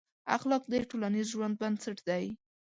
اخلاق د ټولنیز ژوند بنسټ دی.